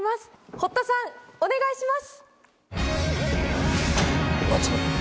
堀田さんお願いします！